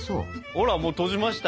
ほらもう閉じました。